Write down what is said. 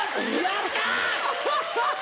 やったー！